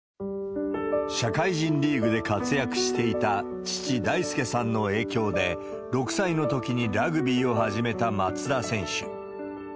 社会人リーグで活躍していた父、大輔さんの影響で、６歳のときにラグビーを始めた松田選手。